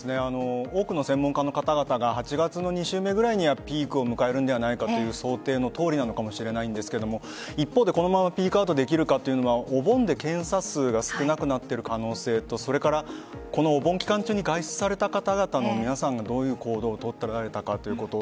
多くの専門家の方々が８月の２週目ぐらいにはピークを迎えるんではないかという想定のとおりなのかもしれないんですが一方でこのままピークアウトできるかというのはお盆で検査数が少なくなっている可能性とお盆期間中に外出された方々の皆さんがどういう行動を取っていられたかということ